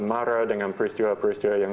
marah dengan peristiwa peristiwa yang